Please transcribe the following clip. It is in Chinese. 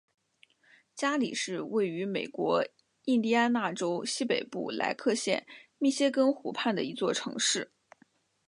加里是位于美国印第安纳州西北部莱克县密歇根湖畔的一座城市。